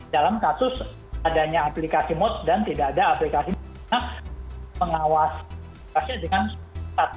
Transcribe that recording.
dalam kasus adanya aplikasi mods dan tidak ada aplikasi mengawasi aplikasinya dengan susah